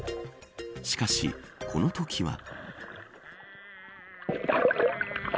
しかし、このときは。